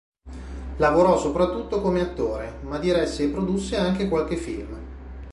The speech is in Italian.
Lavorò soprattutto come attore, ma diresse e produsse anche qualche film.